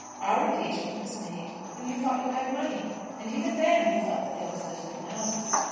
Our engagement was made when you thought you had money, and even then you felt that there was little enough."